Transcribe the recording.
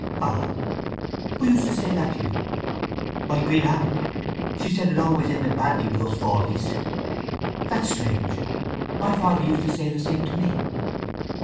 "Ah—who used to say that to you?" "My great aunt. She said it always ended badly with us Fawleys." "That's strange. My father used to say the same to me!"